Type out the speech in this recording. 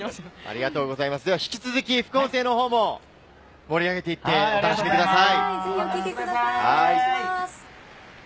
引き続き副音声も盛り上げていって、お楽しみください。